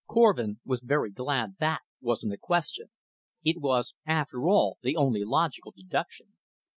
Korvin was very glad that wasn't a question. It was, after all, the only logical deduction.